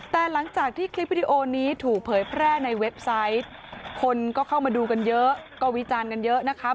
แต่หลังจากที่คลิปวิดีโอนี้ถูกเผยแพร่ในเว็บไซต์คนก็เข้ามาดูกันเยอะก็วิจารณ์กันเยอะนะคะ